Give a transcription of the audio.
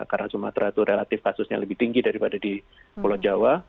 karena sumatera itu relatif kasusnya lebih tinggi daripada di pulau jawa